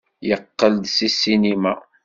Yeqqel-d seg ssinima.